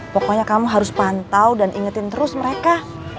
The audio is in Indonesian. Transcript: pokoknya kamu harus pantau dan ingetin terus mereka